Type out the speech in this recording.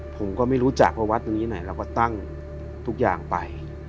ผมก็ไม่รู้จักว่าวัดตรงนี้ไหนเราก็ตั้งทุกอย่างไป